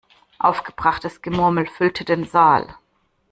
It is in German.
Aufgebrachtes Gemurmel füllte den Saal.